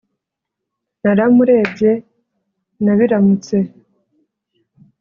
naramurebye nabiramutse